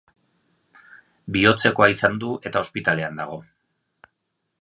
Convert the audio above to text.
Bihotzekoa izan du eta ospitalean dago.